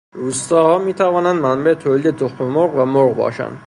روستاها می توانند منبع تولید تخم مرغ و مرغ باشند.